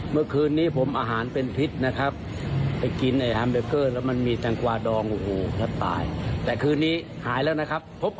เมื่อคืนนี้ผมอาหารเป็นพิษนะครับ